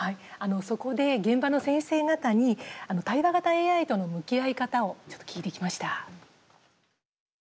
そこで現場の先生方に対話型ＡＩとの向き合い方をちょっと聞いてきました。